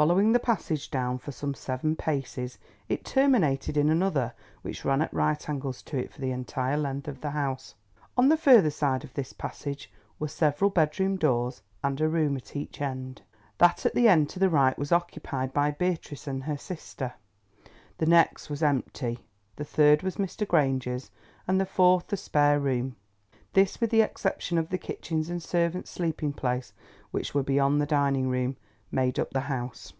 Following the passage down for some seven paces, it terminated in another which ran at right angles to it for the entire length of the house. On the further side of this passage were several bedroom doors and a room at each end. That at the end to the right was occupied by Beatrice and her sister, the next was empty, the third was Mr. Granger's, and the fourth the spare room. This, with the exception of the kitchens and servants' sleeping place, which were beyond the dining room, made up the house.